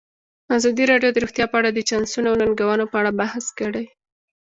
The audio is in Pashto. ازادي راډیو د روغتیا په اړه د چانسونو او ننګونو په اړه بحث کړی.